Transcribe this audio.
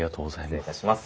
失礼いたします。